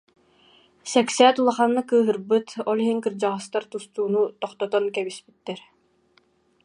Сээксээт улаханнык кыыһырбыт, ол иһин кырдьаҕастар тустууну тохтотон кэбиспиттэр